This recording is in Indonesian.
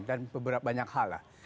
dan banyak hal lah